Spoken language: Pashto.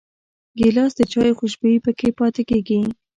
ګیلاس د چايو خوشبويي پکې پاتې کېږي.